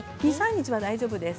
２、３日大丈夫です。